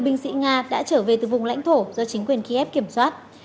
năm mươi binh sĩ nga đã trở về từ vùng lãnh thổ do chính quyền kiev kiểm soát